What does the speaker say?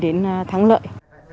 đi đến thắng lợi